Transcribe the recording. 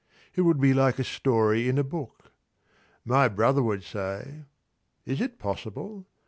It would be like a story in a book. My brother would say, "Is it possible?